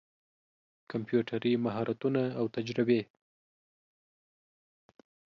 کمپيوټري مهارتونه او تجربې